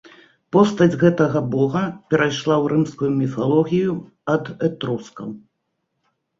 Постаць гэтага бога перайшла ў рымскую міфалогію ад этрускаў.